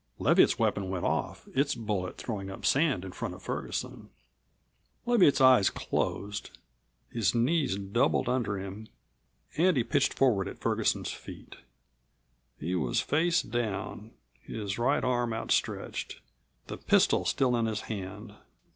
Leviatt's weapon went off, its bullet throwing up sand in front of Ferguson. Leviatt's eyes closed, his knees doubled under him, and he pitched forward at Ferguson's feet. He was face down, his right arm outstretched, the pistol still in his hand.